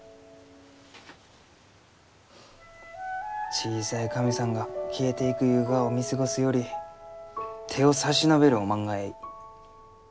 小さい神さんが消えていくゆうがを見過ごすより手を差し伸べるおまんがえい。